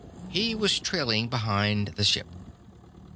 He was trailing behind the ship.